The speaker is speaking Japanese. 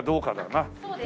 そうですね。